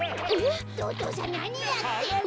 お父さんなにやってんの。